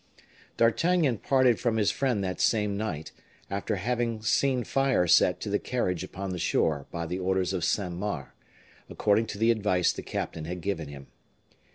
D'Artagnan parted from his friend that same night, after having seen fire set to the carriage upon the shore by the orders of Saint Mars, according to the advice the captain had given him.